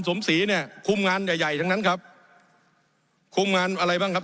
สมศรีเนี่ยคุมงานใหญ่ใหญ่ทั้งนั้นครับคุมงานอะไรบ้างครับ